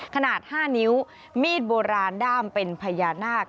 ขนาด๕นิ้วมีดโบราณด้ามเป็นพญานาค